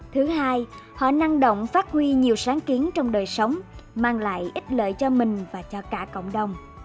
thứ hai họ năng động phát huy nhiều sáng kiến trong đời sống mang lại ít lợi cho mình và cho cả cộng đồng